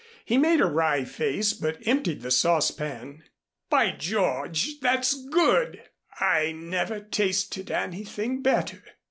He made a wry face but emptied the saucepan. "By George, that's good! I never tasted anything better."